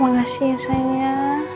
makasih ya sayangnya